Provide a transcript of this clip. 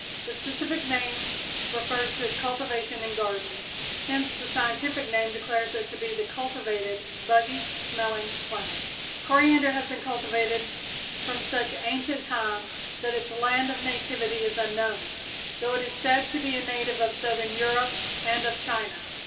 The specific name refers to its cultivation in gardens. Hence the scientific name declares it to be the cultivated buggy smelling plant. Coriander has been cultivated from such ancient times that its land of nativity is unknown, though it is said to be a native of southern Europe and of China.